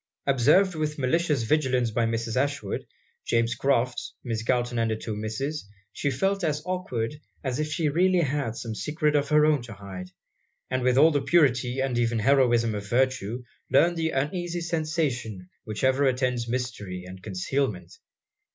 Observed with malicious vigilance by Mrs. Ashwood, James Crofts, Miss Galton, and the two Misses, she felt as awkward as if she really had some secret of her own to hide; and with all the purity and even heroism of virtue, learned the uneasy sensation which ever attends mystery and concealment.